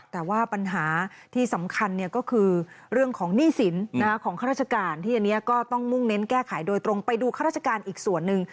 แต่ว่าปัญหาที่สำคัญก็คือเรื่องของหนี้สินของข้าราชการที่อันนี้ก็ต้องมุ่งเน้นแก้ไขโดยตรงไปดูข้าราชการอีกส่วนหนึ่ง